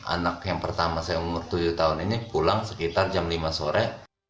anak yang pertama saya umur tujuh tahun ini pulang sekitar jam lima sore